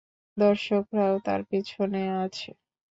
দর্শকরাও তার পেছনে আছে!